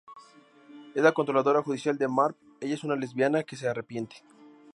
Es la controladora judicial de Marv, ella es una lesbiana, que se arrepiente.